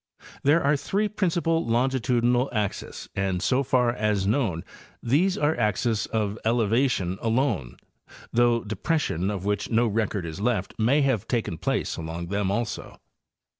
—There are three principal lonei tudinal axes, and so far as known, these are axes of elevation alone, though depression of which no record is left may have taken place along them also.